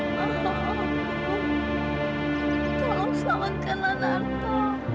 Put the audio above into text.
tolong selamatkanlah narto